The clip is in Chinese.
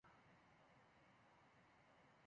这一变故导致乔清秀精神失常。